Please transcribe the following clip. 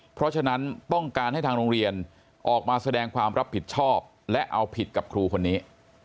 เพราะฉะนั้นต้องการให้ทางโรงเรียนออกมาแสดงความรับผิดชอบและเอาผิดกับครูคนนี้